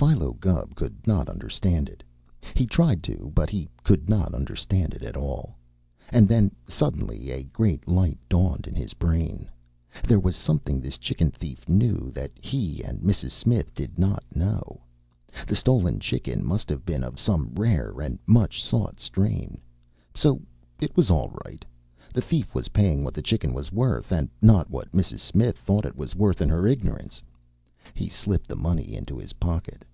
Philo Gubb could not understand it. He tried to, but he could not understand it at all. And then suddenly a great light dawned in his brain. There was something this chicken thief knew that he and Mrs. Smith did not know. The stolen chicken must have been of some rare and much sought strain. So it was all right. The thief was paying what the chicken was worth, and not what Mrs. Smith thought it was worth in her ignorance. He slipped the money into his pocket.